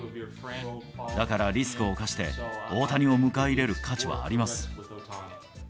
だからリスクを冒して大谷を迎え入れる価値はあります。